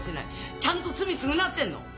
ちゃんと罪償ってんの！